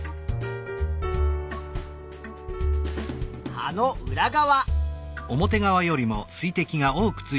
葉の裏側。